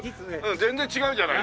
全然違うじゃない。